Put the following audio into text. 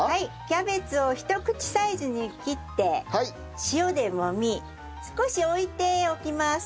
キャベツをひと口サイズに切って塩でもみ少し置いておきます。